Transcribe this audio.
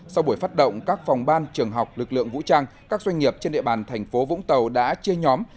sau buổi phát động các phòng ban trường học lực lượng vũ trang các doanh nghiệp trên địa bàn thành phố vũng tàu đã chia nhóm